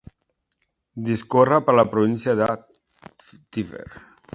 Discorre per la província de Tver.